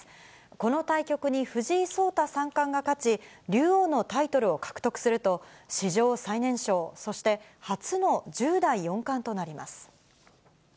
この対局に藤井聡太三冠が勝ち、竜王のタイトルを獲得すると、史上最年少、そして初の１０代四冠となります。